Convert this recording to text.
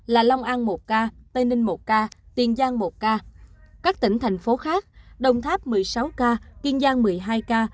là long an một ca tây ninh một ca tiền giang một ca các tỉnh thành phố khác đồng tháp một mươi sáu ca kiên giang một mươi hai ca